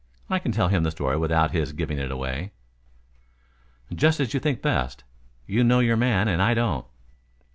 I can tell him the story without his giving it away." "Just as you think best. You know your man and I don't."